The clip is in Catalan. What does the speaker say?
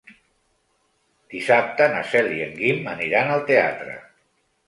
Dissabte na Cel i en Guim aniran al teatre.